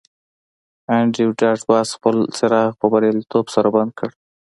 انډریو ډاټ باس خپل څراغ په بریالیتوب سره بند کړ